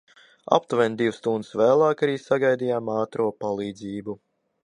Aptuveni divas stundas vēlāk arī sagaidījām ātro palīdzību.